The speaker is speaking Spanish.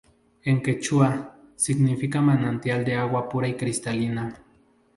En quechua, significa, manantial de agua pura y cristalina.